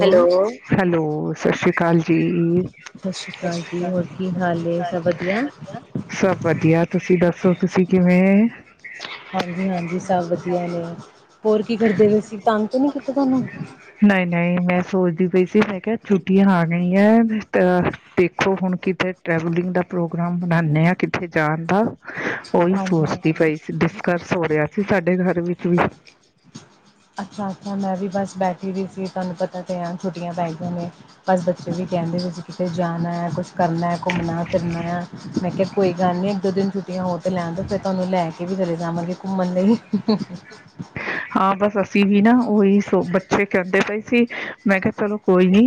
Hello ਲੋ hello ਸਤ ਸ੍ਰੀ ਅਕਾਲ ਜੀ ਸਤਿ ਸ਼੍ਰੀ ਅਕਾਲ ਜੀ ਹੋਰ ਕੀ ਹਾਲ ਏ ਸਭ ਵਧੀਆ ਸਬ ਵਧੀਆ ਤੁਸੀਂ ਦੱਸੋ ਸੋ ਤੁਸੀਂ ਕਿਵੇਂ [inaudible] ਹਾਂਜੀ ਹਾਂਜੀ ਸਭ ਵਧੀਆ ਨੇ ਹੋਰ ਕੀ ਕਰਦੇ ਪਏ ਸੀ ਤੰਗ ਤੇ ਨੀ ਕੀਤਾ ਤੁਹਾਨੂੰ [unintelligible] ਨਹੀਂ ਨਹੀਂ ਮੈਂ ਸੋਚ [unintelligible] ਪਈ ਸੀ ਮੈਂ ਕਿਹਾ ਛੁੱਟੀਆਂ ਆ ਗਈਆਂ ਦੇਖੋ ਹੁਣ ਕਿਤੇ ਟਰੈਵਲਿੰਗ ਦਾ ਪ੍ਰੋਗਰਾਮ ਮਨਾਉਂਦੇ ਹਾਂ ਕਿੱਥੇ ਜਾਣ ਦਾ [unintelligible] ਉਹੀ ਹਾਂਜੀ ਸੋਚਦੀ ਹਾਂਜੀ ਪਈ ਸੀ ਡਿਸਕਰਸ ਹੋ ਰਿਹਾ ਸੀ ਸਾਡੇ ਘਰ ਵਿੱਚ ਵੀ [inaudible] ਅੱਛਾ ਅੱਛਾ ਮੈਂ ਵੀ ਬਸ ਬੈਠੀ ਰਹੀ ਸੀ ਤੁਹਾਨੂੰ ਪਤਾ ਤੇ ਆ ਛੁੱਟੀਆਂ ਪੈ ਗਈਆਂ ਨੇ [inaudible] ਬਸ ਬੱਚੇ ਵੀ ਕਹਿੰਦੇ ਸੀ [inaudible] ਕਿਤੇ ਜਾਣਾ ਹੈ ਕੁਛ [inaudible] ਕਰਨਾ ਘੁੰਮਣਾ ਫਿਰਨਾ ਹੈ ਮੈਂ ਕਿਹਾ ਕੋਈ ਗੱਲ ਨਹੀਂ ਇੱਕ ਦੋ ਦਿਨੁੱ [inaudible] ਤੇ ਹੋ [inaudible] ਲੈ ਦ ਫਿਰ ਤੁਹਾਨੂੰ ਲੈ ਕੇ [inaudible] ਕਿ ਵੀ ਗਰ ਜਾਵਾਂਗੇ ਘੁੰਮਣ ਲਈ [inaudible] [unintelligible] ਵੀ ਨਾ ਉਹੀ ਸੋ ਬ [unintelligible] ਪਿੱੇ ਕਹਿੰਦੇ ਪਏ ਸੀ ਮੈਂ ਕਿਹਾ ਚਲੋ ਕੋਈ ਨੀ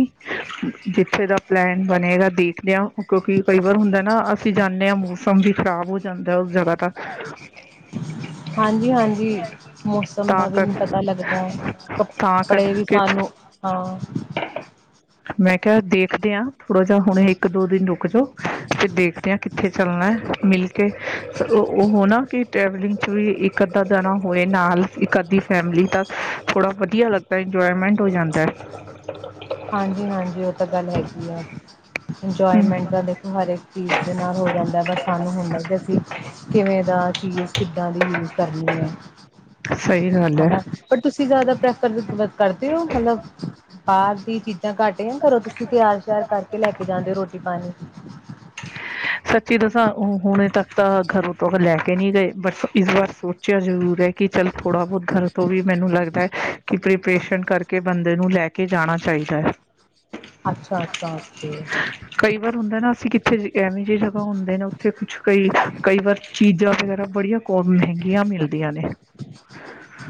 ਜਿੱਥੇ ਦਾ ਪਲੈਨ ਬਣੇਗਾ ਦੀਪ [unintelligible] ਕਿਉਂਕਿ ਕਈ ਵਾਰ ਹੁੰਦਾ ਨਾ ਅਸੀਂ ਜਾਂਦੇ ਹਾਂ ਮੂੰਹ [unintelligible] ਮੌਸਮ ਵੀ ਖ਼ਰਾਬ ਹੋ ਜਾਂਦਾ ਉਸ ਜਗ੍ਹਾ ਦਾ [inaudible] ਹਾਂਜੀ ਹਾਂਜੀ ਮੌਸਮ ਤਾਂ ਦਾ ਵੀ ਕਰ ਨੀ ਪਤਾ ਲੱਗਦਾ ਤਾਂ ਕੱਪੜੇ ਵੀ ਕਰਕੇ ਸਾਨੂੰ ਹਾਂ [unintelligible] ਮੈਂ ਕਿਹਾ ਦੇਖਦੇ ਆਾਂ ਥੋੜਾ ਜਿਹਾ ਹੁਣੇ ਇੱਕ ਦੋ ਦਿਨ ਰੁਕ [unintelligible] ਰੁੱਕ ਜੋ ਤੇ ਦੇਖਦੇ ਹਾਂ [unintelligible] ਕਿੱਥੇ ਚੱਲਣਾ ਮਿਲ ਕੇ ਉਹ ਨਾ ਕਿ ਟਰੈਵਲਿੰਗ 'ਚ ਵੀ ਇੱਕ [unintelligible] ਅੱਦਾਂ ਦਾਣਾ ਹੋਏ ਨਾਲ ਇੱਕ ਅੱਧੀ ਫੈਮਿਲੀ ਤਾਂ ਥੋੜ੍ਹਾ ਵਧੀਆ ਲੱਗਦਾ ਇੰਜੋਏਮੈਂਟ ਹੋ ਜਾਂਦਾ ਹੈ [unintelligible] ਹਾਂਜੀ ਹਾਂਜੀ ਉਹ ਤਾਂ ਗੱਲ ਹੈਗੀ ਆ [inaudible] ਹਮ ਇੰਜੋਏਮੈਂਟ ਤਾਂ ਦੇਖੋ ਹਰ ਇੱਕ ਚੀਜ਼ ਦੇ ਨਾਲ ਹੋ ਜਾਂਦਾ ਬਸ ਸਾਨੂੰ ਹੁੰਦਾ ਜ ਅਸੀਂ [inaudible] ਕਿਵੇਂ ਦਾ ਚੀਜ਼ ਕਿੱਦਾਂ ਦੀ ਯੂਜ ਕਰਨੀ ਹੈ ਸਹੀ [inaudible] ਗੱਲ ਹੈਗਾ ਹੈ ਪਰ ਤੁਸੀਂ ਜ਼ਿਆਦਾ ਪ੍ਰੈ [inaudible] [inaudible] ਕਰਤੀ ਹੋ ਮਤਲਬ [inaudible] ਪ [inaudible] ਚੀਜ਼ਾਂ ਘੱਟ [unintelligible] ਕਰੋ ਤੁਸੀਂ ਤਿਆਰ ਸ਼ਿਆਰ ਕਰਕੇ ਲੈ ਕੇ ਜਾਂਦੇ ਹੋ ਰੋਟੀ ਪਾਣੀ [unintelligible] ਸੱਚੀ ਦੱਸਾਂ ਹੁਣੇ ਤੱਕ ਤਾਂ ਘਰੋਂ ਤੋਂ ਲੈ ਕੇ ਨਹੀਂ ਗਏ ਬ ਇਸ ਵਾਰ [unintelligible] ਸੋਚਿਆ ਜ਼ਰੂਰ ਹੈ ਕਿ ਚੱਲ ਥੋੜ੍ਹਾ ਬਹੁਤ ਘਰ ਤੋਂ ਵੀ ਮੈਨੂੰ ਲੱਗਦਾ ਹੈ ਕਿ [unintelligible] ੇਸ਼ ਕਰਕੇ ਬੰਦੇ ਨੂੰ ਲੈ ਕੇ ਜਾਣਾ ਚਾਹੀਦਾ ਹੈ [unintelligible] ਅੱਛਾ ਅੱਛਾ ਓਕੇ ਕਈ ਵਾਰ ਹੁੰਦਾ ਨਾ ਅਸੀਂ ਕਿੱਥੇ ਐਏ ਵੀ ਜਗ੍ਹਾ ਹੁੰਦੇ ਨੇ ਉੱਥੇ ਕੁਛ ਕਈ ਕਈ ਵਾਰ ਚੀਜ਼ਾਂ ਵਗੈਰਾ ਬੜੀਆਂ ਕ ਮਹਿੰਗੀਆਂ ਮਿਲਦੀਆਂ ਨੇ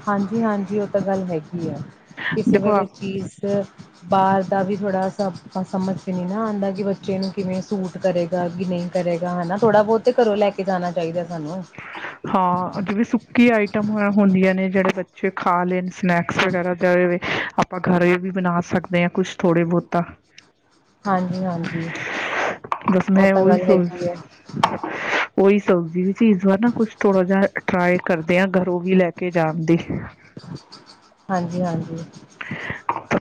ਹਾਂਜੀ ਹਾਂਜੀ ਉਹ ਤਾਂ ਗੱਲ ਹੈਗੀ ਕਿਸੇ ਦੇਖੋ ਵੇਲੇ ਚੀਜ਼ ਬਰ ਤਾਂ ਵੀ ਥੋੜ੍ਹਾ ਸ ਆਪਾਂ ਸਮਝ ' ਨਹੀਂ ਨਾ ਆਉਂਦਾ ਕਿ ਬੱਚੇ ਨੂੰ ਕਿਵੇਂ ਸੂਟ ਕਰੇਗਾ ਕਿ ਨਹੀਂ ਕਰੇਗਾ ਹੈ ਨਾ ਥੋੜਾ ਬਹੁਤ ਤੇ ਘਰੋਂ ਲੈ ਕੇ ਜਾਣਾ ਚਾਹੀਦਾ ਸਾਨੂੰ ਕੀ ਆਈਟਮ ਹੁੰਦੀਆਂ ਨੇ ਜਿਹੜੇ ਬੱਚੇ ਖਾ ਲੈ ਸਨੈਕਸ ਵਗੈਰਾ ਆਪਾਂ ਘਰ ਵੀ ਬਣਾ ਸਕਦੇ ਹ ਕੁਛ ਥੋੜੇ ਬਹੁਤਾ ਹਾਂਜੀ ਹਾਂਜੀ ਬਸ ਉਹ ਮੈਂ ਤਾਂ ਉਹੀ ਗੱਲ ਹੈਗੀ ਆ ਕੋਈ ਸਬਜ਼ੀ ਵਿੱਚ ਚੀਜ਼ ਵਾਰ ਨਾ ਕੁਛ ਥੋੜਾ ਜਿਹਾ ਟਰਾਈ ਕਰਦੇ ਹ ਘਰੋਂ ਵੀ ਲੈ ਕੇ ਜਾਣ ਦੀ ਹਾਂਜੀ ਹਾਂਜੀ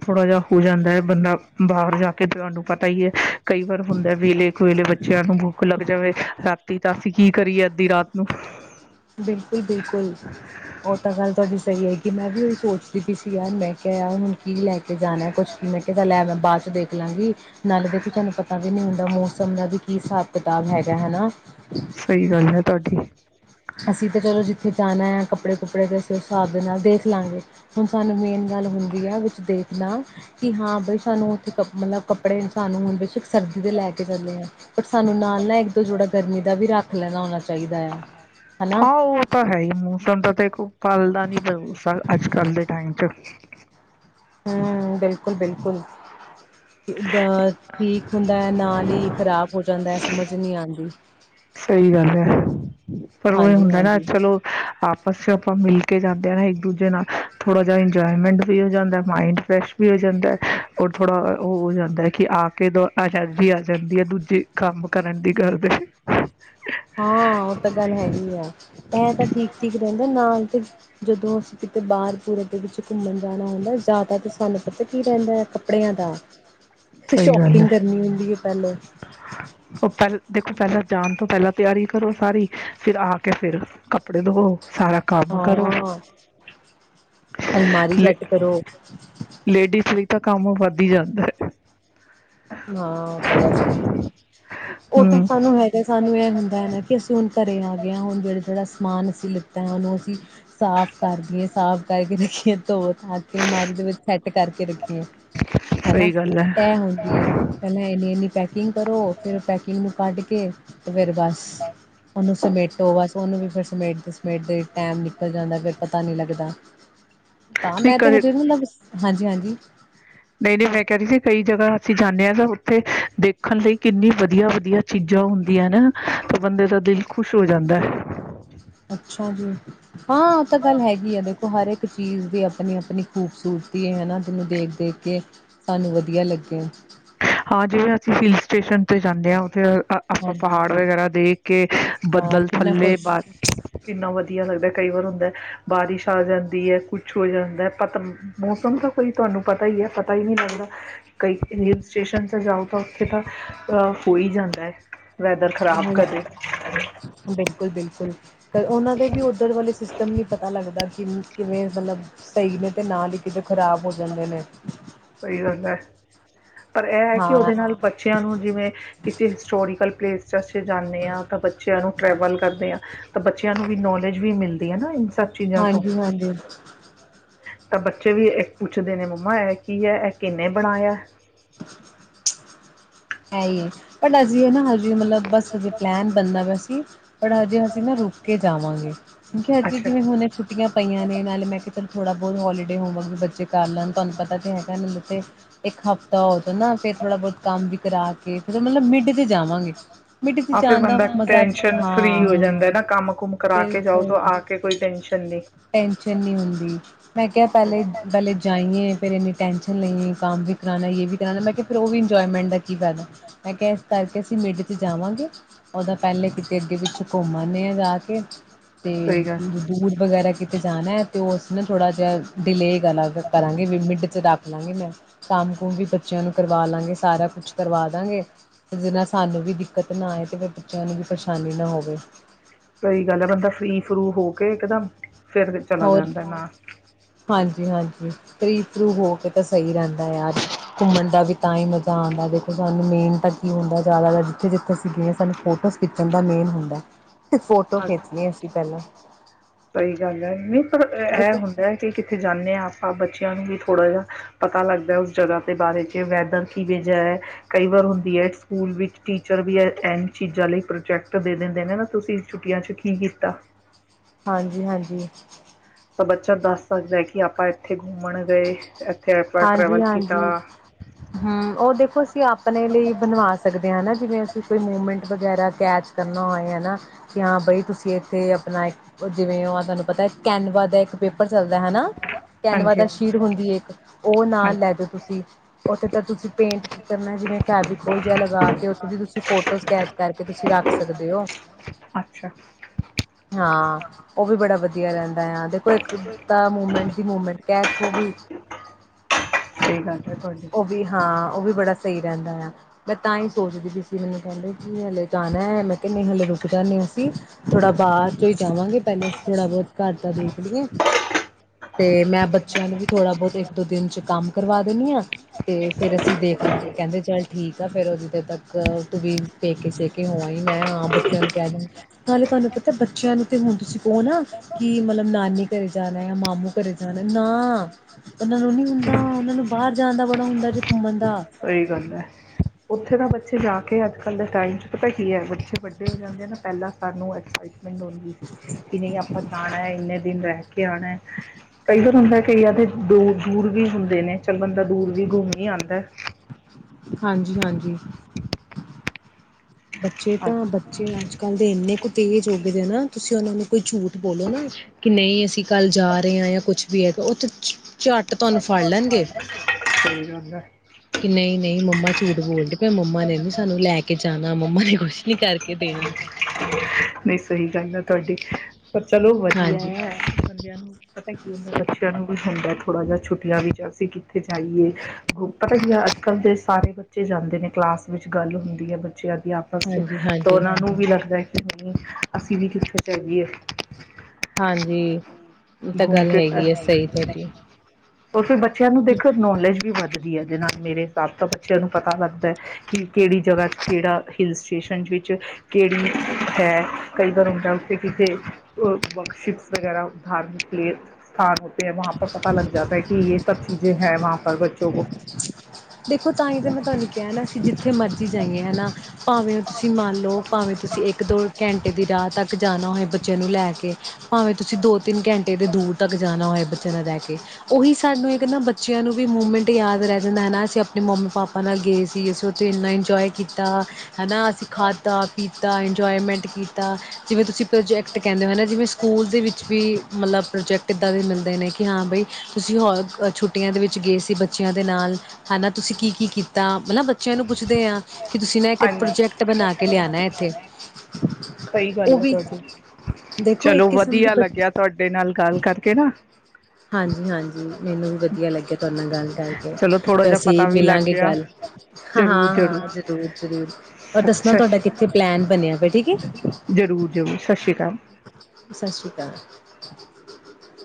ਥੋੜਾ ਜਹਾ ਹੋ ਜਾਂਦਾ ਹੈ ਬੰਦਾ ਬਾਹਰ ਜਾ ਕੇ ਤੁਹਾਨੂੰ ਪਤਾ ਹੀਈ ਹੈ ਕਈ ਵਾਰ ਹੁੰਦਾ ਵੇਲੇ ਵੇਲੇ ਬੱਚਿਆਂ ਨੂੰ ਬਹੁ ਲੱਗ ਜਾਵੇ ਰਾਤੀ ਤਾਂ ਅਸੀਂ ਕੀ ਕਰੀਏ ਅੱਧੀ ਰਾਤ ਨੂੰ ਬਿਲਕੁਲ ਬਿਲਕੁਲ ਉਹ ਤਾਂ ਗੱਲ ਤੁਹਾਡੀ ਸਹੀ ਹੈਗੀ ਮੈਂ ਵੀ ਉਹੀ ਸੋਚਦੀ ਪ ਸੀ ਯਾਰ ਮੈਂ ਕਿਹਾ ਹੁਣ ਕੀ ਲੈ ਕੇ ਜਾਣਾ ਕੁਛ ਕਿ ਮਂ ਕਿ ਲੈ ਮੈਂ ਬਾਅਦ ਦੇਖ ਲਾਂਗੀ ਨਾਲ ਦੇ ਕੋਝ ਸਾਨੂੰ ਪਤਾ ਵੀ ਨਹੀਂ ਹੁੰਦਾ ਦਾ ਮੌਸਮ ਦਾ ਵੀ ਕੀ ਹਿਸਾਬ ਕਿਤਾਬ ਹੈਗਾ ਹੈਾ ਸਹੀ ਗੱਲ ਹੈ ਤੁਹਾਡੀ ਅਸੀਂ ਤਾਂ ਚਲੋ ਜਿੱਥੇ ਜਾਣਾ ਆ ਕੱਪੜੇ ਕੁੱਪੜੇ ਤੇ ਅਸੀਂ ਉਸ ਹਿਸਾਬ ਦੇ ਨਾਲ ਦੇਖ ਲਵਾਂਗੇ ਹੁਣ ਸਾਨੂੰ ਮੇਨ ਗੱਲ ਹੁੰਦੀ ਆ ਵਿੱਚ ਦੇਖ ਕਿ ਹਾਂ ਬਈ ਸਾਨੂੰ ਉੱਥੇ ਕ ਮਤਲਬ ਕੱਪੜੇ ਸਾਨੂੰ ਹੁਣ ਸਰਦੀ ਤੇ ਲੈ ਕੇ ਚੱਲੇ ਆ ਪਰ ਸਾਨੂੰ ਨਾਲ ਇੱਕ ਦੋ ਜੋੜਾ ਗਰਮੀ ਦਾ ਵੀ ਰੱਖ ਲੈਣਾ ਹੋਣਾ ਚ ਚਾਹੀਦਾ ਆ ਹਾਂ ਉਹਓ ਤਾਂ ਹੈ ਦੇਖੋ ਫਲਦਾ ਨੀ ਪ ਅੱਜ ਕੱਲ੍ਹ ਦੇ ਟਾਈਮ ਚ ਹਮ ਬਿਲਕੁਲ ਬਿਲਕੁਲ ਅ ਠੀਕ ਹੁੰਦਾ ਹੈ ਨਾਲ ਲਲੀ ਖ਼ਰਾਬ ਹੋ ਜਾਂਦਾ ਹੈ ਸਮਝ ਨੀ ਆਉਂਦੀ ਸਹੀ ਗੱਲ ਹੈ ਪਰ ਉਹ ਇਹ ਹਾਂਜੀ ਹੁੰਦਾ ਨਾ ਹਾਂਜੀ ਚਲੋ ਆਪਸ ਚ ਆਪਾਂ ਮਿਲ ਕੇ ਕੇ ਜਾਂਦੇ ਆ ਨਾ ਇੱਕ ਦੂਜੇ ਨਾਲ ਥੋੜ੍ਹਾ ਜਹਾ ਇੰਜੋਏਮੈਂਟ ਵੀ ਹੋ ਜਾਂਦਾ ਮਾਇੰਡ ਫਰੈਸ਼ ਵੀ ਹੋ ਜਾਂਦਾ ਔਰ ਥੋੜਾ ਉਹ ਹੋ ਜਾਂਦਾ ਹੈ ਕਿ ਆ ਕੇ ਦ ਐਨਰਜੀ ਆ ਜਾਂਦੀ ਹੈ ਦੂਜੇ ਕੰਮ ਕਰਨ ਦੀ ਗੱਲ ਦੇ ਹਾਂ ਉਹ ਤਾਂ ਗੱਲ ਹੈਗੀ ਆ ਇਹ ਤਾਂ ਠੀਕ ਠੀਕ ਰਹਿੰਦਾ ਨਾਲ ਤੇ ਜਦੋਂ ਅਸੀਂ ਕਿਤੇ ਬਾਹਰ ਪੂਰਬ ਦੇ ਵਿੱਚ ਘੁੰਮਣ ਜਾਣਾ ਹੁੰਦਾ ਜ਼ਿਆਦਾਤਰ ਸਾਨੂੰ ਪਤਾ ਕੀ ਰਹਿੰਦਾ ਹੈ ਕੱਪੜਿਆਂ ਦਾ ਤੇ ਸਹੀ ਗੱਲ ਹੈ ਸ਼ੋਪਿੰਗ ਕਰਨੀ ਹੁੰਦੀ ਹੈ ਪਹਿਲਾਂ ਉਹ ਪਹਿਲ ਦੇਖੋ ਪਹਿਲਾਂ ਜਾਣ ਤੋਂ ਪਹਿਲਾਂ ਤਿਆਰੀ ਕਰੋ ਸਾਰੀ ਫਿਰ ਆ ਕੇ ਫਿਰ ਕੱਪੜੇ ਧਵਓ ਹਾਂ ਅਲਮਾਰੀ ਲੇ ਸੈੱਟ ਕਰੋ ਲੇਡੀਜ਼ ਲਈ ਤਾਂ ਕੰਮ ਵੱਧ ਹੀ ਜਾਂਦਾ ਹੈ ਹਾਂ ਉਹ ਤਾਂ ਗੱਲ ਸਹੀ ਹੈ ਉਹ ਤਾਂ ਹਮ ਸਾਨੂੰ ਹੈਗਾ ਸਾਨੂੰ ਇਹ ਹੁੰਦਾ ਹੈ ਨਾ ਕਿ ਅਸੀਂ ਹੁਣ ਘਰੇ ਆ ਗਏ ਹਾਂ ਹੁਣ ਜਿਹੜਾ ਜਿਹੜਾ ਸਮਾਨ ਅਸੀਂ ਲਿੱਤਾ ਹੈ ਉਹਨੂੰ ਅਸੀਂ ਸਾਫ਼ ਕਰਕੇਏ ਸਾਫ਼ ਕਰਕੇ ਦੇਖੀਏ ਧੋ ਅ ਕੇ ਅਲਮਾਰੀ ਦੇ ਵਿੱਚ ਸੈਟ ਕਰਕੇ ਰੱਖੀਏ ਹਨਾ ਸਹੀ ਗੱਲ ਹੈ ਇਹ ਹੁੰਦੀ ਹੈ ਮੈਂ ਇੰਨੀ ਇੰਨੀ ਪੈਕਿੰਗ ਕਰੋ ਫਿਰ ਪੈਕਿੰਗ ਨੂੰ ਕੱਢ ਕੇ ਅਤੇ ਫਿਰ ਬਸ ਉਹਨੂੰ ਸਮੇਟੋ ਬਸ ਉਹਨੂੰ ਵੀ ਫਿਰ ਸਮੇਟਦੇ ਸਮੇਟਦੇ ਟਾਈਮ ਨਿਕਲ ਜਾਂਦਾ ਫਿਰ ਪਤਾ ਨਹੀਂ ਲੱਗਦਾ ਤਾਂ ਨਹੀਂ ਮੈਂ ਤੇ ਕਰੇ ਹਜੇ ਹੁੰ ਲ ਹਾਂਜੀ ਹਾਂਜੀ ਨਹੀਂ ਨਹੀਂ ਮੈਂ ਕਹਿ ਰਹੀ ਸੀ ਕਈ ਜਗ੍ਹਾ ਅਸੀਂ ਜਾਂਦੇ ਹਾਂ ਤਾਂ ਉੱਥੇ ਦੇਖਣ ਲਈ ਕਿੰਨੀ ਵਧੀਆ ਵਧੀਆ ਚੀਜ਼ਾਂ ਹੁੰਦੀਆਂ ਨਾ ਤਾਂ ਬੰਦੇ ਦਾ ਦਿਲ ਖ਼ੁਸ਼ ਹੋ ਜਾਂਦਾ ਹੈ ਅੱਛਾ ਜੀ ਹਾਂ ਉਹ ਤਾਂ ਗੱਲ ਹੈਗੀ ਆ ਦੇਖੋ ਹਰ ਇੱਕ ਚੀਜ਼ ਦੀ ਆਪਣੀ ਆਪਣੀ ਖੂਬਸੂਰਤੀ ਹੈਾ ਜਿਹਨੂੰ ਦੇਖ ਦੇਖ ਕੇ ਸਾਨੂੰ ਵਧੀਆ ਲੱਗੇ ਹਾਂ ਜਿਵੇਂ ਅਸੀਂ ਹਿਲ ਸਟੇਸ਼ਨ ਤੇ ਜਾਂਦੇ ਹਾਂ ਉਥੇ ਆਪਾਂ ਹਾਂਜੀ ਪਹਾੜ ਵਗੈਰਾ ਦੇਖ ਕੇ ਹਾਂ ਬੱਦਲ ਕਿੰਨਾ ਥੱਲੇ ਖੁਸ਼ ਬ ਕਿੰਨਾ ਵਧੀਆ ਲੱਗਦਾ ਕਈ ਵਾਰ ਹੁੰਦਾ ਬਾਰਿਸ਼ ਆ ਜਾਂਦੀ ਹੈ ਕੁਛ ਹੋ ਜਾਂਦਾ ਪਤਾ ਮੌਸਮ ਦਾ ਕੋਈ ਤੁਹਾਨੂੰ ਪਤਾ ਹੀ ਹੈ ਪਤਾ ਹੀ ਨਹੀਂੀ ਲੱਗਦਾ ਕਈ ਸਟੇਸ਼ਨ ਤੇ ਜਾਓ ਤਾਂ ਉੱਥੇ ਤਾਂ ਅਹ ਹੋ ਹੀ ਜਾਂਦਾ ਹੈ ਵੈਦਰ ਖਰਾਬ ਹਾਂਜੀ ਕਰਦੇ ਬਿਲਕੁਲ ਬਿਲਕੁਲ ਅਤੇ ਉਹਨਾਂ ਦੇ ਵੀ ਉੱਧਰ ਵਾਲੇ ਸਿਸਟਮ ਨਹੀਂ ਪਤਾ ਲੱਗਦਾ ਕਿ ਕਿਵੇਂ ਮਤਲਬ ਸਹੀ ਨੇ ਤੇ ਨਾਲ ਹੀ ਕਿਤੇ ਖ਼ਰਾਬ ਹੋ ਜਾਂਦੇ ਨੇ ਸਹੀ ਗੱਲ ਹੈ ਪਰ ਇਹ ਹੈ ਕਿ ਹਾਂ ਉਹਦੇ ਨਾਲ ਬੱਚਿਆਂ ਨੂੰ ਜਿਵੇਂ ਕਿਸ ਹਿਸਟੋਰਕਲ ਪਲੇਸ ਚ ਜਾਂਦੇ ਹਾਂ ਤਾਂ ਬੱਚਿਆਂ ਨੂੰ ਟਰੈਵਲ ਕਰਦੇ ਹਾਂ ਤਾਂ ਬੱਚਿਆਂ ਨੂੰ ਵੀ ਨੌਲੇਜ ਵੀ ਮਿਲਦੀ ਹੈ ਨਾ ਸਭ ਚੀਜ਼ਾਂ ਤੋਂ ਹਾਂਜੀ ਹਾਂਜੀ ਤਾਂ ਬੱਚੇ ਵੀ ਇੱਕ ਪੁੱਛਦੇ ਨੇ ਮੰਮਾ ਇਹ ਕੀ ਹੈ ਇਹ ਕਿੰਨੇ ਬਣਾਇਆ ਹੈ ਹੀ ਹੈ ਬ ਅਸੀਂ ਇਹ ਨਾ ਹਜ ਮਤਲਬ ਬੱਸ ਪਲੈਨ ਬਣਦਾ ਬਸ ਠੀ ਪਰ ਹਜੇ ਅਸੀਂ ਨਾ ਰੁਕ ਕੇ ਜਾਵਾਂਗੇ ਕਿਉਂਕਿ ਹਜੇ ਅੱਛਾ ਜਿਵੇਂ ਹੁਣ ਛੁੱਟੀਆਂ ਪਈਆਂ ਨੇ ਨਾਲੇ ਮੈਂ ਕਿਹਾ ਥੋੜਾ ਬਹੁਤ ਹੋਲੀਡੇ ਹੋਵੋਗੇ ਬੱਚੇ ਕਰ ਲੈਣ ਤੁਹਾਨੂੰ ਪਤਾ ਤੇ ਹੈਗਾ ਇਹਨੂੰ ਬੇਟੇ ਇੱਕ ਹੱਥ [unintelligible] ਨਾ ਫ਼ਿਰ ਥੋੜਾ ਬਹੁਤ ਕੰਮ ਵੀ ਕਰਾ ਕੇ ਫਿਰ ਮਤਲਬ ਮਿੱਡ ਤੇ ਜਾਵਾਂਗੇ ਮਟੀਥੇ ਹਾਂ ਫਿਰ ਜਾਣ ਦਾ ਬੰਦਾ ਮਜ਼ਾ ਟੈਸ਼ਨ ਫ੍ਰਰੀ ਹਾਂ ਹੋ ਜਾਂਦਾ ਨਾ ਕੰਮ ਕੁਮ ਕਰਾ ਕੇ ਜਾਓ ਬਿਲਕੁਲ ਤਾਂ ਆ ਕੇ ਕੋਈ ਟੈਸ਼ਨ ਨਹੀਂ ਟੈਂਨਸ਼ਨ ਨਹੀਂ ਹੁੰਦੀ ਮੈਂ ਕਿਹਾ ਪਹਿਲੇ ਪਹਿਲੇ ਜਾਈਏ ਫੇਿਰ ਇੰਨੀ ਟੈਂਸ਼ਨ ਨਹੀਂ ਕੰਮ ਵੀ ਕਰਾਣਾ ਮੈਂ ਕਿਹਾ ਫ ਉਹ ਵੀ ਇੰਜੋਏਮੈਂਟ ਦਾ ਕੀ ਫਾਇਦਾ ਮੈਂ ਕਿਹਾ ਇਸ ਤਕੇ ਅਸੀਂ ਮਿੰਟ ਜਾਵਾਂਗੇ ਉਹਦਾ ਪਹਿਲੇ ਕਿਤੇ ਅੱਗੇ ਪਿੱਛੇ ਘੁੰਮਦੇ ਆ ਜਾ ਕੇ ਤੇ ਸਹੀ ਗੱਲ ਦੂਧ ਵਗੈਰਾ ਕਿਤੇ ਜਾਣਾ ਹੈ ਤੇ ਉਸ ਨਾ ਥੋੜਾ ਜਿਹਾ ਡਿਲੇ ਕਰ ਕਰਾਂਗੇ ਵੀ ਮਿੰਡ ਚ ਰੱਖ ਲਾਂਗੇ ਮੈਂ ਕੰਮ ਕਮ ਵੀ ਬੱਚਿਆਂ ਨੂੰ ਕਰਵਾ ਲਾਂਗੇ ਸਾਰਾ ਕੁਛ ਕਰਵਾ ਦਾਂਗੇ ਜਿ ਨਾਲ ਸਾਨੂੰ ਵੀ ਦਿੱਕਤ ਨਾ ਆਏ ਤੇ ਫਿਰ ਬੱਚਿਆਂ ਨੂੰ ਵੀ ਪਰੇਸ਼ਾਨੀ ਨਾ ਹੋਵੇ ਸਹੀ ਗੱਲ ਹੈ ਬੰਦਾ ਫਰੀ ਫਰੂ ਹੋ ਕੇ ਇੱਕਦਮ ਫਿਰ ਚਲਾ ਜਾਂਦਾ ਨਾ ਹਾਂਜੀ ਹਾਂਜੀ ਤੀ ਥਰੂ ਹੋ ਕੇ ਤਾਂ ਸਹੀ ਰਹਿੰਦਾ ਯਾਰ ਘੁੰਮਣ ਦਾ ਵੀ ਤਾਂ ਹੀ ਮਜ਼ਾ ਆਉਂਦਾ ਦੇਖੋ ਸਾਨੂੰ ਮੇਨ ਤਾਂ ਕੀ ਹੁੰਦਾ ਜ਼ਿਆਦਾ ਜਿੱਥੇ ਜਿੱਥੇ ਅਸੀਂ ਗਏ ਹਾਂ ਸਾਨੂੰ ਫੋਟੋਸ ਖਿੱਚਣ ਦਾ ਮੇਨ ਹੁੰਦਾ ਤੇ ਫੋਟੋ ਅੱਗ। ਖਿੱਚਣੀ ਅਸੀਂ ਪਹਿਲਾਂ [unintelligible] ਸਹੀ ਗੱਲ ਹੈ ਇਹ ਹੁੰਦਾ ਕਿੱਥੇ ਜਾਂਦੇ ਹਾਂ ਆਪਾਂ ਬ ਬਿਆਂ ਨੂੰ ਵੀ ਥੋੜਾ ਜਹਾ ਪਤਾ ਲੱਗਦਾ ਉਸ ਜਾ ਦੇ ਬਾਰੇ ਵ ਕੀ ਵਾ ਕਈ ਵਾਰ ਹੁੰਦੀ ਆ ਸਕੂਲ ਵਿਚ ਟੀਚਰ ਵੀਨ ਚੀਜ਼ਾਂ ਲ ਪ੍ਰੋਜੈਕਟ ਦੇ ਦਿੰਦੇ ਨੇ ਤੁਸੀਂ ਛੁਟੀਆਂ ਚ ਕੀ ਕੀਤਾ ਹਾਂਜੀ ਹਾਂਜੀ ਤਾਂ ਬੱਚਾ ਦੱਸ ਸਕਦਾ ਹੈ ਕਿ ਆਪਾਂ ਇੱਥੇ ਘੁੰਮਣ ਗਏ ਇੱਥੇ ਆਪਾਂ ਟਰੈਵਲ ਕੀਤਾ ਹਾਂਜੀ-ਹਾਂਜੀ ਹਮ ਉਹ ਦੇਖੋ ਅਸੀਂ ਆਪਣੇ ਲਈ ਬਣਵਾ ਸਕਦੇ ਹਨਾ ਜਿਵੇਂ ਅਸੀਂ ਕੋਈ ਮੂਵਮੈਂਟ ਵਗੈਰਾ ਕੈਚ ਕਰਨਾ ਹੋਏ ਹਨਾ ਕਿ ਹਾਂ ਬਈ ਤੁਸੀਂ ਇੱਥੇ ਆਪਣਾ ਇੱਕ ਜਿਵੇਂ ਉਹ ਤੁਹਾਨੂੰ ਪਤਾ ਕੈਨਵਾ ਦਾ ਇੱਕ ਪੇਪਰ ਚੱਲਦਾ ਹਨਾ ਤੈਨਵਾ ਹਾਂਜੀ ਦਾ ਹੁੰਦੀ ਹੈ ਇੱਕ ਉਹ ਨਾਲ ਲੈ ਹਾਂਜੀ ਦਿਓ ਤੁਸੀਂ ਉੱਥੇ ਤਾਂ ਤੁਸੀਂ ਪੇਂਟਨਾ ਜਿਵੇਂ ਫੈਬਰੀਕੋਲ ਜਾਂ ਲਗਾ ਕੇ ਉੱਥੇ ਦੀ ਤੁਸੀਂ ਫੋਟੋ ਸਕੈਚ ਕਰਕੇ ਤੁਸੀਂ ਰੱਖ ਸਕਦੇ ਹੋ ਅੱਛਾ ਹਾਂ ਹਾਂ ਉਹ ਵੀ ਬੜਾ ਵਧੀਆ ਰਹਿੰਦਾ ਦੇਖੋ ਇੱਕ ਤਾਂ ਮੂਵਮੈਂਟ ਦੀ ਮੂਵਮੈਂਟ ਕਹਿ ਉਹ ਵੀ ਸਹੀ ਗੱਲ ਹੈ ਤੁਹਾਡੀ ਉਹ ਵੀ ਹਾਂ ਉਹ ਵੀ ਬੜਾ ਸਹੀ ਰਹਿੰਦਾ ਆ ਮੈਂ ਤਾਂ ਹੀ ਸੋਚਦੀ ਵੀ ਸੀ ਮੈਨੂੰ ਕਹਿੰਦੇ ਕਿ ਹਲੇ ਜਾਣਾ ਹੈ ਮੈਂ ਕਹਿੰਦੀ ਹਲੇ ਰੁਕ ਜਾਂਦੇ ਹ ਅਸੀਂ ਥੋੜ੍ਹਾ ਬਾਹਰ ਤੁਸੀਂ ਜਾਵਾਂਗੇ ਪਹਿਲੇ ਥੋੜ੍ਹਾ ਬਹੁਤ ਘਰ ਤਾਂ ਦੇਖਣੀਏ ਤੇ ਮੈਂ ਬੱਚਿਆਂ ਨੂੰ ਵੀ ਥੋੜਾ ਬਹੁਤ ਇੱਕ ਦੋ ਦਿਨ ਚ ਕੰਮ ਕਰਵਾ ਦੇਿੰਣੀ ਆ ਤੇ ਫੇਰ ਅਸੀਂ ਦੇਖ ਲਵਾਂਗੇ ਕਹਿੰਦੇ ਚੱਲ ਠੀਕ ਆ ਫੇਰ ਉਹ ਜਿੱਥੋਂ ਤੱਕ ਤੂੰ ਵੀ ਪੇਕੇ ਸੇਕੇ ਹੋਵਈ ਮੈਂ ਹਾਂ ਬੱਚਿਆਂ ਨੂੰ ਕਹਿ ਦੇ ਨਾਲੇ ਤੁਹਾਨੂੰ ਪਤਾ ਬੱਚਿਆਂ ਨੂੰ ਤੇ ਹੁਣ ਤੁਸੀਂ ਕਹੋ ਨਾ ਕਿ ਮਤਲਬ ਨਾਨੀ ਘਰੇ ਜਾਣਾ ਜਾਂ ਮਾਮੂ ਘਰੇ ਜਾਣਾ ਨਾ ਉਹਨਾਂ ਨੂੰ ਨੀ ਹੁੰਦਾ ਉਹਨਾਂ ਨੂੰ ਬਾਹਰ ਜਾਣ ਦਾ ਬੜਾ ਹੁੰਦਾ ਜੇ ਘੁੰਮਣ ਦਾ ਸਹੀ ਗੱਲ ਹ ਉੱਥੇ ਤਾਂ ਜਾ ਕੇ ਅੱਜ ਕੱਲ ਦੇ ਟਾਈਮ ਪਤਾ ਕੀ ਹ ਬੱਚੇ ਤਿੰਨ ਦਿਨ ਦੇ ਨਾ ਪਹਿਲਾਂ ਤੈਨੂੰ ਐਕਸਾਈਟਮੈਂਟ ਹੁੰਦੀ ਕਿ ਨਹੀਂ ਆਪਾਂ ਤਾਂ ਇਨੇ ਲੈ ਕੇ ਆਉਣਾ ਕਈ ਵਾਰ ਹੁੰਦਾ ਕਈ ਆ ਤੇ ਦੂਰ ਵੀ ਹੁੰਦੇ ਨੇ ਚੰਦਰ ਪੂਰਵੀ ਘੁਮੀ ਆਂਦਾ ਹਾਂਜੀ ਹਾਂਜੀ ਬੱਚੇ ਤਾਂ ਅੱਜ ਬੱਚੇ ਅੱਜ ਕੱਲ ਦੇ ਇੰਨੇ ਕੁ ਇਵੇਂ ਜੋ ਨਾ ਤੁਸੀਂ ਉਹਨਾਂ ਨੂੰ ਕੋਈ ਝੂਠ ਬੋਲੋ ਨਾ ਕਿ ਨਹੀਂ ਅਸੀਂ ਕੱਲ ਜਾ ਰਹੇ ਹਾਂ ਜਾਂ ਕੁੱਛ ਵੀ ਹੈਗਾ ਉੱਥੇ [unintelligible] ਝੱਟ ਤੁਹਾਨੂੰ ਫੜ ਲੈਣਗੇ ਸਹੀ ਗੱਲ ਹੈ ਨਹੀਂ ਨਹੀਂ ਮਮਾ ਝੂਠ ਬੋਲ ਮਮਾ ਨੇ ਨੀ ਸਾਨੂੰ ਲੈ ਕੇ ਜਾਣਾ ਮਮਾ ਨੇ ਕੁਛ ਨਹੀਂ ਕਰਕੇ ਦੇਣਾ ਨਹੀਂ ਸਹੀ ਗੱਲ ਆ ਤੁਹਾਡੀ ਚਲੋ ਵਧੀਆ ਹਾਂਜੀ ਬੰਦਿਆਂ ਨੂੰ ਪਤਾ ਕੀ ਹੁੰਦਾ ਬੱਚਿਆਂ ਨੂੰ ਵੀ ਹੁੰਦਾ ਥੋੜਾ ਜਿਹਾ ਛੁੱਟੀਆ ਵੀਜਾ ਸੀ ਕਿੱਥੇ ਜਾਈਏ ਪਤਾ ਕਿ ਅੱਜ ਕੱਲ ਦੇ ਸਾਰੇ ਬੱਚੇ ਜਾਂਦੇ ਨੇ ਕਲਾਸ ਵਿੱਚ ਗੱਲ ਹੁੰਦੀ ਹ ਤੇ ਅਸੀਂ ਆਪਕਾ ਹਾਂਜੀ ਤੋ ਹਾਂਜੀ ਉਹਨਾਂ ਨੂੰ ਵੀ ਲੱਗਦਾ ਅਸੀਂ ਵੀ ਕਰਦੀ ਹ ਹਾਂਜੀ ਤਾਂ ਗੱਲ ਹੈਗੀ ਆ ਸਹੀ ਤੁਹਾਡੀ [unintelligible] ਤੈਨੂੰ ਦੇਖ ਨੋਲੇਜ ਵੀ ਦੇ ਨਾਲ ਮੇਰੇ ਸਾਥ ਸਭ ਬੱਚਿਆਂ ਨੂੰ ਪਤਾ ਲੱਗਦਾ ਤੂੰ ਕਿਹੜੀ ਜਗਹਾ ਛੇੜਾ ਹਿਲ ਸਟੇਸ਼ਨ ਵਿੱਚ ਕਿਹੜੀ ਹੈ ਕਈ ਵਾਰ ਹੁੰਦਾ ਉਥੇ ਕਿਸੇ ਵਗੈਰਾ ਉਧਾਰ ਹੋ ਤੇ ਵਹਾਂ ਪੇ ਪਤਾ ਲੱਗ ਜਾਤਾ ਹੈ ਕਿ ਯਹ ਸਭ ਠੀਕ ਹੈ ਵਹਾਂ ਪਰ ਬੱਚੋ ਕੋ ਦੇਖੋ ਤਾਂ ਹੀ ਤੇ ਮੈਂ ਤੁਹਾਨੂੰ ਕਿਹਾ ਨਾ ਜਿੱਥੇ ਮਰਜ਼ੀ ਚਾਹੀਏ ਹਨਾ ਨਾ ਭਾਵੇਂ ਤੁਸੀਂ ਮੰਨ ਲਓ ਭਾਵੇਂ ਤੁਸੀਂ ਇੱਕ ਦੋ ਘੰਟੇ ਦੀ ਰਾਹ ਤੱਕ ਜਾਣਾ ਹੋਏ ਬੱਚੇ ਨੂੰ ਲੈ ਕੇ ਭਾਵੇਂ ਤੁਸੀਂ ਦੋ ਤਿੰਨ ਘੰਟੇ ਦੇ ਦੂਰ ਤੱਕ ਜਾਣਾ ਹੋਏ ਉਹੀ ਸਾਨੂੰ ਇਹ ਗੱਲਾਂ ਬੱਚਿਆਂ ਨੂੰ ਵੀ ਮੂਵਮੈਂਟ ਯਾਦ ਰਹਿ ਜਾਂਦਾ ਨਾ [inaudible] ਆਪਣੇ ਮੰਮੀ ਪਾਪਾ ਨਾਲ ਗਏ ਸੀ ਅਸੀਂ ਉੱਥੇ ਇੰਨਾ ਇੰਜੋਏ ਕੀਤਾ ਹਨਾ [inaudible] ਸਿਖਾਤਾਾ ਪੀਤਾ ਇੰਜੋਏਮੈਂਟ [inaudible] ਕੀਤਾ [unintelligible] ਜਿਵੇਂ ਤੁਸੀਂੋਜੈਕਟ ਕਹਿੰਦੇ ਹਨਾ [inaudible] ਜਿਵੇਂ ਸਕੂਲ ਦੇ ਵਿੱਚ ਵੀ ਮਤਲਬ ਪ੍ਰੋਜੈਕਟ ਇੱਦਾਂ ਦੇ ਮਿਲਦੇ ਨੇ ਕਿ ਹਾਂ ਬਈ ਤੁਸੀਂ ਹੋ ਛੁੱਟੀਆਂ ਦੇ ਵਿੱਚ ਗਏ ਸੀ ਬੱਚਿਆਂ ਦੇ ਨਾਲ [inaudible] ਹਨਾ ਤੁਸੀਂ ਕੀ ਕੀ ਕੀਤਾ ਮਤਲਬ ਬੱਚਿਆਂ ਨੂੰ ਪੁੱਛਦੇ ਆਾਂ [inaudible] ਕਿ ਤੁਸੀਂ ਨਾ ਇੱਕ ਹਾਂਜੀ, ਪ੍ਰੋਜੈਕਟ ਬਣਾ ਕੇ ਲਿਆਣਾ ਇੱਥੇ ਸਹੀ ਉਹ ਗੱਲ ਹੈ ਵੀ ਤੁਹਾਡੀ ਦੇਖੋ ਇੱਕ ਚਲੋ ਕਿਸਮ ਦੀ ਵਧੀਆ ਲੱਗਿਆ ਤੁਹਾਡੇ ਨਾਲ ਗੱਲ ਕਰਕੇ ਨਾ ਹਾਂਜੀ ਹਾਂਜੀ ਮੈਨੂੰ ਵੀ ਵਧੀਆ ਲੱਗਿਆ ਤੁਹਾਡੇ ਨਾਲ ਗੱਲ ਕਰਕੇ ਚਲੋ ਥੋੜਾ ਜਿਹਾ [inaudible] ਜੀ ਪਤਾ ਵੀ ਲੱਗ ਮਿਲਾਂਗੇ ਗਿਆ ਕੱਲ ਹਾਂ ਜ਼ਰੂਰ ਜ਼ਰੂਰ ਹਾਂ ਜ਼ਰੂਰ [unintelligible] ਰ ਸਤਿ ਦੱਸਣਾ ਤੁਹਾਡਾ ਸ਼੍ਰੀ ਕਿੱਥੇ ਪਲੈਨ ਬਣਿਆ ਵ ਠੀਕ ਹੈ ਜ਼ਰੂਰ ਜ਼ਰੂਰ ਸਤਿ ਸ਼੍ਰੀ ਅਕਾਲ ਸਤ ਸ੍ਰੀ ਅਕਾਲ [inaudible]